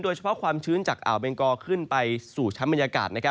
โดยเฉพาะความชื้นจากอ่าวเบงกอขึ้นไปสู่ช้ำบรรยากาศ